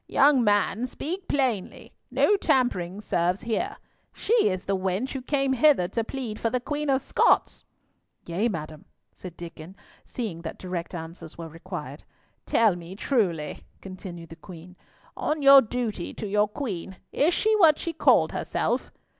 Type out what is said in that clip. "Young man, speak plainly. No tampering serves here. She is the wench who came hither to plead for the Queen of Scots." "Yea, madam," said Diccon, seeing that direct answers were required. "Tell me truly," continued the Queen. "On your duty to your Queen, is she what she called herself?"